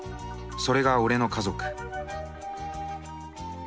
それが俺の家族